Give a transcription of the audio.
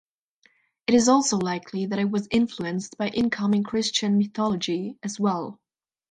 It is also likely that it was influenced by incoming Christian mythology as well.